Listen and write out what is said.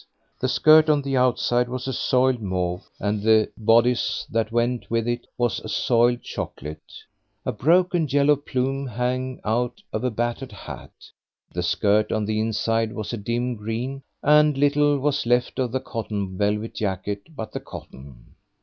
The skirt on the outside was a soiled mauve, and the bodice that went with it was a soiled chocolate. A broken yellow plume hung out of a battered hat. The skirt on the inside was a dim green, and little was left of the cotton velvet jacket but the cotton.